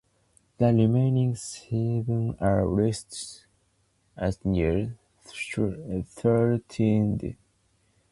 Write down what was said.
The remaining seven are listed as Near Threatened.